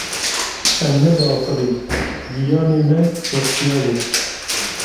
Em nediaxivîn, giyanê me westiya bû.